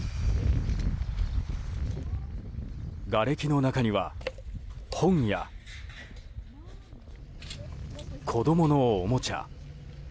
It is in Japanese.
がれきの中には本や子供のおもちゃ。